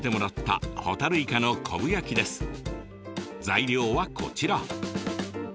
材料はこちら。